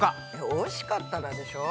おいしかったらでしょ？